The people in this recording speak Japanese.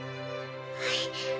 はい。